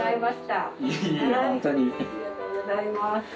ありがとうございます。